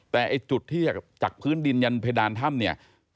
แต่ไอ้จุดที่จากพื้นดินยันเพดานถ้ำเนี่ย